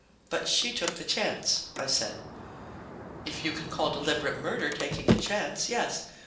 "But she took the chance," I said. "If you can call deliberate murder taking a chance, yes.